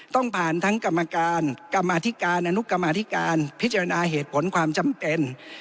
ต้องผ่านทั้งกรรมการกรรมอธิการอนุกรรมาธิการพิจารณาเหตุผลความจำเป็น